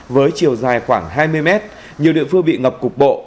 với chiều dài khoảng hai mươi mét nhiều địa phương bị ngập cục bộ